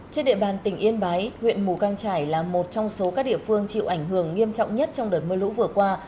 trên địa bàn tỉnh yên bái huyện mù căng trải là một trong số các địa phương chịu ảnh hưởng nghiêm trọng nhất trong đợt mưa lũ vừa qua